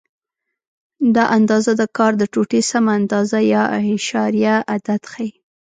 دا اندازه د کار د ټوټې سمه اندازه یا اعشاریه عدد ښیي.